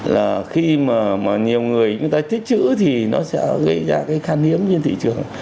là khi mà nhiều người người ta tích chữ thì nó sẽ gây ra cái khan hiếm trên thị trường